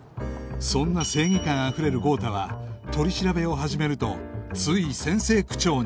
そんな正義感あふれる豪太は取り調べを始めるとつい先生口調に